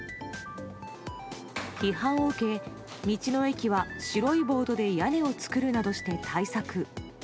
批判を受け、道の駅は白いボードで屋根を作るなどして対策。